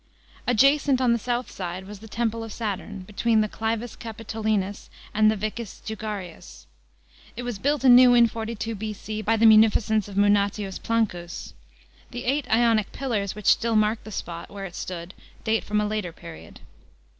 Adjacent on the south side was tl>e Temple of Saturn, between the Clivus Capitoli nns and the Vicus Jugarius. It was built anew in 42 B.C. by the munificence of Munatius Planous. The eight Ionic pillars which still mark the spot where it stood date from a later period.